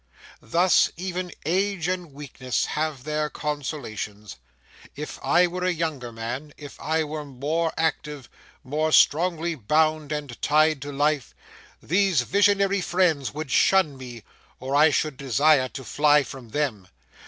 Thus, even age and weakness have their consolations. If I were a younger man, if I were more active, more strongly bound and tied to life, these visionary friends would shun me, or I should desire to fly from them.